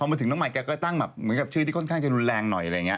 มาถึงน้องใหม่แกก็ตั้งแบบเหมือนกับชื่อที่ค่อนข้างจะรุนแรงหน่อยอะไรอย่างนี้